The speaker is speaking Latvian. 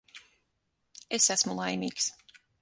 Es esmu laimīgs.